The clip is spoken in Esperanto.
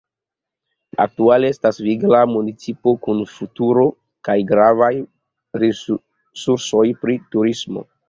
Aktuale estas vigla municipo kun futuro kaj gravaj resursoj pri turismo.